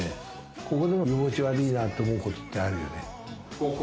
ここでも居心地悪いなって思うことってあるよね。